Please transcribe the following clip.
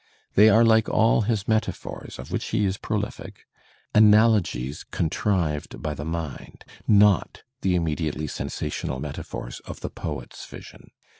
They are like all his metaphors, of which he is prolific, analogies contrived by the mind, not the immediately sensational metaphors of the poet's vision.